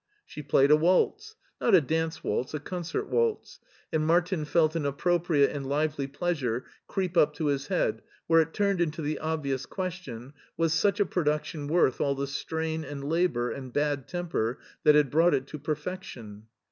She played a waltz — not a dance waltz, a concert waltz — ^and Martin felt an appropriate and lively pleasure creep up to his head where it turned into the obvious question, was such a production worth all the strain and labor and bad temper that had brought it to perfection.